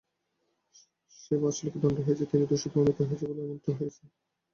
যে বাসচালকের দণ্ড হয়েছে, তিনি দোষী প্রমাণিত হয়েছেন বলেই এমনটা হয়েছে।